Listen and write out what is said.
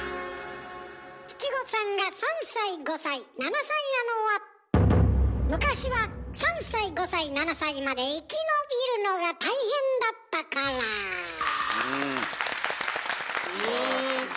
七五三が３歳５歳７歳なのは昔は３歳５歳７歳まで生き延びるのが大変だったから。ね。